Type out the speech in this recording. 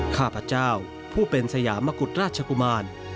ข้าพเจ้าผู้เป็นสยามกุฎราชกุมาร